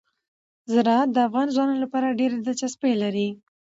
زراعت د افغان ځوانانو لپاره ډېره دلچسپي لري.